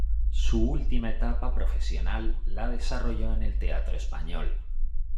Su última etapa profesional la desarrolló en el Teatro Español.